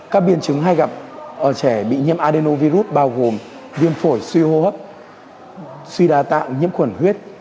các biên chứng hay gặp ở trẻ bị nhiễm adenovirus bao gồm viêm phổi suy hô hấp suy đa tạng nhiễm khuẩn huyết